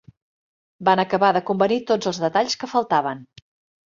Van acabar de convenir tots els detalls que faltaven